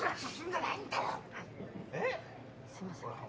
すいません。